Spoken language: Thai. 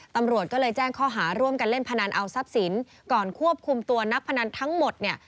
ตำรวจก็เลยแจ้งข้อหาร่วมกันเล่นพนันเอาทรัพย์สินก่อนควบคุมตัวนักพนันทั้งหมดเนี่ย